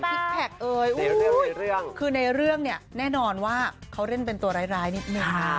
แพคเอ๋ยคือในเรื่องเนี่ยแน่นอนว่าเขาเล่นเป็นตัวร้ายนิดนึง